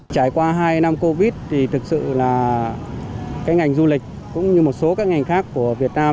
trải qua hai năm covid thì thực sự là cái ngành du lịch cũng như một số các ngành khác của việt nam